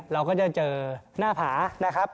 เราก็จะเจอหน้าผานะครับ